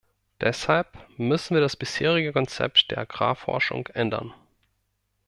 Deshalb müssen wir das bisherige Konzept der Agrarforschung ändern.